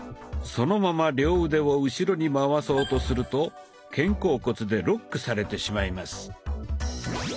そのまま両腕を後ろに回そうとすると肩甲骨でロックされてしまいます。